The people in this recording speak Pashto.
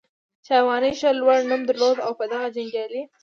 چې افغاني شل لوړ نوم درلود او په دغه جنګیالي